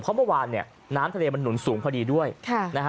เพราะเมื่อวานเนี่ยน้ำทะเลมันหนุนสูงพอดีด้วยค่ะนะฮะ